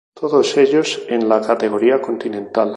Todos ellos en categoría Continental.